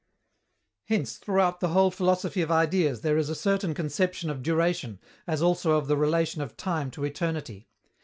Hence, throughout the whole philosophy of Ideas there is a certain conception of duration, as also of the relation of time to eternity.